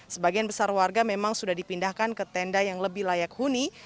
sebagian besar warga memang sudah dipindahkan ke tenda yang lebih layak huni